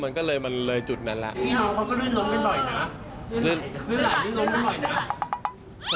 มันก็เลยมันเลยจุดนั้นแล้ว